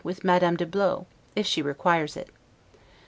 with Madame de Blot, if she requires it.